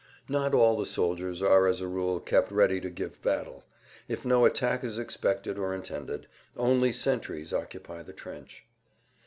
Not all the soldiers are as a rule kept ready to give battle. If no attack is expected or intended, only sentries occupy the trench.